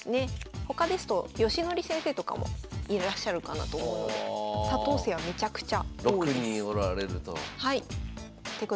他ですと義則先生とかもいらっしゃるかなと思うので佐藤姓はめちゃくちゃ多いです。